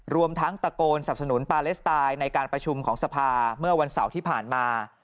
รวมทั้งตะโกนสับสนุนปาเลสไตล์ในการประชุมของสภาเมื่อวันเสาร์ที่ผ่านมา